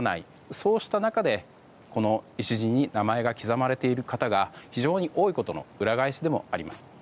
そうした中で、この礎に名前が刻まれている方が非常に多いことの裏返しでもあります。